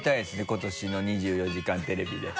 今年の「２４時間テレビ」で。